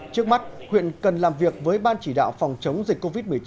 trước mắt huyện cần làm việc với ban chỉ đạo phòng chống dịch covid một mươi chín